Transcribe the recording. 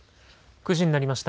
９時になりました。